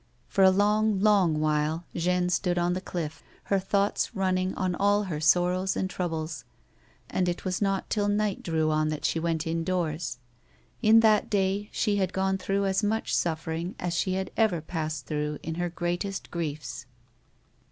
For a long, long while, Jeanne stood on the cliff, her thoughts running on all her sorrows and troubles, and it was not till night drew on that she went indoors. In that day she had gone through as much suffering as she had ever passed through in her greatest griefs.